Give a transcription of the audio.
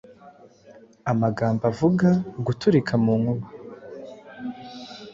Amagambo avuga, guturika mu nkuba